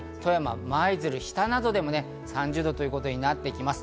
さらに富山、舞鶴、日田などでも３０度ということになります。